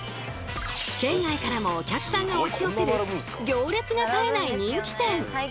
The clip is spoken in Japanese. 県外からもお客さんが押し寄せる行列が絶えない人気店。